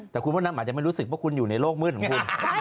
แต่คุณพ่อนำอาจจะไม่รู้สึกว่าคุณอยู่ในโลกมืดของคุณ